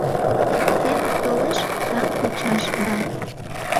Семык толеш таҥ кучаш да